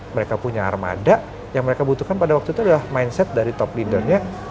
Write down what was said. mereka punya armada yang mereka butuhkan pada waktu itu adalah mindset dari top leadernya